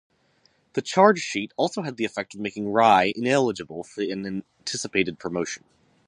The chargesheet also had the effect of making Rai ineligible for an anticipated promotion.